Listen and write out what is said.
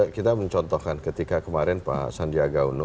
kita mencontohkan ketika kemarin pak sandiaga uno